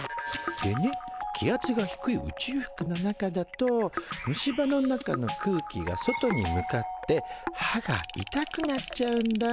でね気圧が低い宇宙服の中だと虫歯の中の空気が外に向かって歯が痛くなっちゃうんだ。